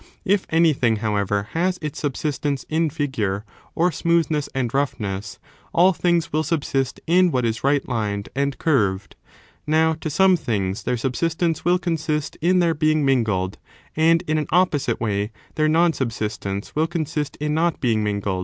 If anything, however, has its subsistence in figure, or smoothness and roughness, all things will subsist in what is right lined and curved. Now, to some things their subsistence will consist in their being mingled, and, in an opposite way, their non subsistence will consist in not being mingled.